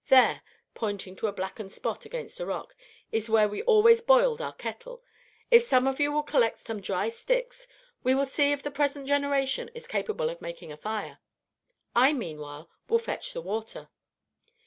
There," pointing to a blackened spot against a rock, "is where we always boiled our kettle. If some of you will collect some dry sticks, we will see if the present generation is capable of making a fire. I meanwhile will fetch the water."